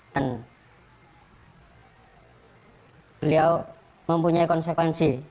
dan beliau mempunyai konsekuensi